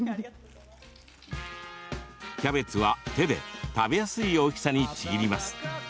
キャベツは、手で食べやすい大きさに、ちぎります。